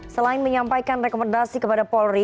selain menyampaikan rekomendasi kepada polri